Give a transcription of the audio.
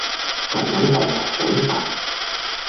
各位同學早晨